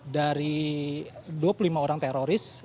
dari dua puluh lima orang teroris